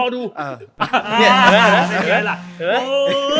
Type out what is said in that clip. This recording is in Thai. โอ้ววววตาย